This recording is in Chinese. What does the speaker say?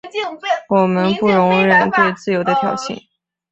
我们不容忍对自由的挑衅。